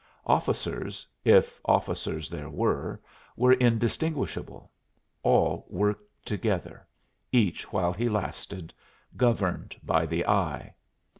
Officers, if officers there were, were indistinguishable; all worked together each while he lasted governed by the eye.